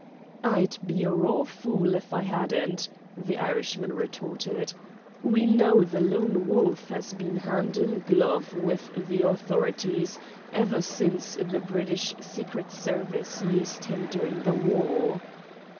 "I'd be a raw fool if I hadn't," the Irishman retorted. "We know the Lone Wolf has been hand in glove with the authorities ever since the British Secret Service used him during the war."